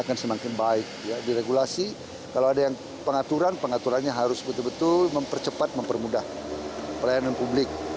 dan semakin baik diregulasi kalau ada yang pengaturan pengaturannya harus betul betul mempercepat mempermudah pelayanan publik